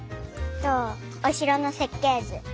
おしろのせっけいず。